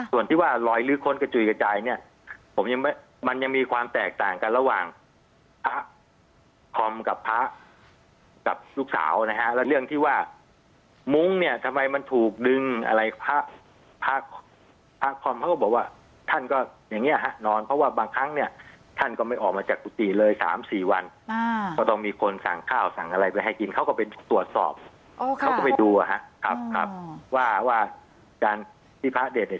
ส่วนที่ว่าลอยลื้อค้นกระจุยกระจายเนี่ยผมยังไม่มันยังมีความแตกต่างกันระหว่างพระคอมกับพระกับลูกสาวนะฮะแล้วเรื่องที่ว่ามุ้งเนี่ยทำไมมันถูกดึงอะไรพระพระคอมเขาก็บอกว่าท่านก็อย่างเงี้ฮะนอนเพราะว่าบางครั้งเนี่ยท่านก็ไม่ออกมาจากกุฏิเลย๓๔วันก็ต้องมีคนสั่งข้าวสั่งอะไรไปให้กินเขาก็ไปตรวจสอบเขาก็ไปดูอ่ะฮะครับว่าว่าการที่พระเด็ดเนี่ย